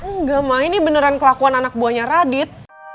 enggak mak ini beneran kelakuan anak buahnya radit